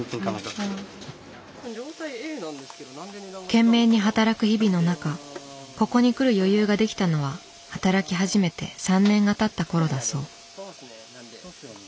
懸命に働く日々の中ここに来る余裕が出来たのは働き始めて３年がたったころだそう。